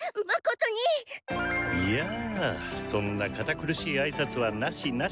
やそんな堅苦しい挨拶はなしなし。